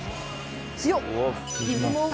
「強っ！」